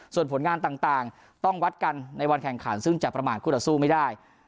ส่วนผลงานต่างต้องวัดกันในวันแข่งขันซึ่งจะประมาทคู่ต่อสู้ไม่ได้